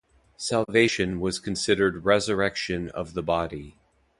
"Salvation" was considered resurrection of the body.